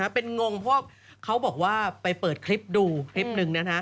เป็นงงเขาก็บอกเปิดคลิปนึง